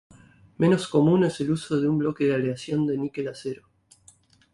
Menos común es el uso de un bloque de aleación de niquel-acero.